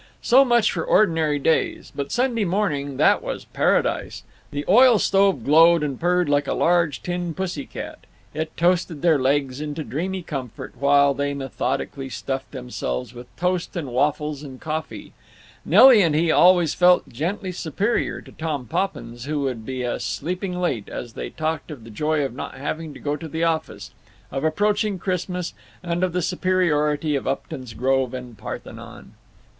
So much for ordinary days. But Sunday morning—that was paradise! The oil stove glowed and purred like a large tin pussy cat; it toasted their legs into dreamy comfort, while they methodically stuffed themselves with toast and waffles and coffee. Nelly and he always felt gently superior to Tom Poppins, who would be a sleeping late, as they talked of the joy of not having to go to the office, of approaching Christmas, and of the superiority of Upton's Grove and Parthenon.